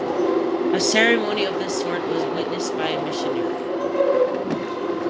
A ceremony of this sort was witnessed by a missionary.